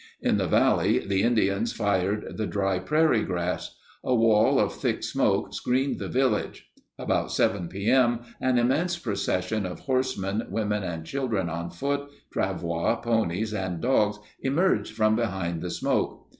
In the valley, the Indians fired the dry prairie grass. A wall of thick smoke screened the village. About 7 p.m. an im mense procession of horsemen, women and children on foot, travois, ponies, and dogs emerged from behind the smoke.